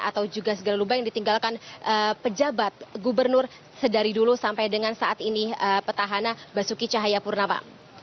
atau juga segala lubang yang ditinggalkan pejabat gubernur sedari dulu sampai dengan saat ini petahana basuki cahayapurnama